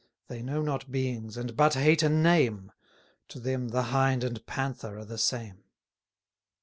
They know not beings, and but hate a name; To them the Hind and Panther are the same.